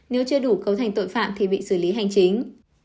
nếu chưa đủ cấu thành tội phạm thì bị xử lý hành chính